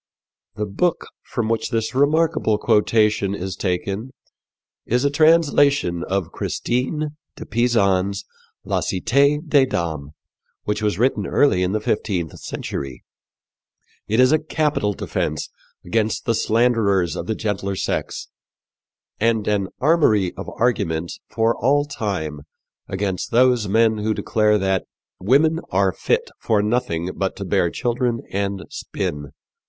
'" The book from which this remarkable quotation is taken is a translation of Christine de Pisan's La Cité des Dames, which was written early in the fifteenth century. It is a capital defence against the slanderers of the gentler sex and an armory of arguments for all time against those men who declare that "women are fit for nothing but to bear children and spin."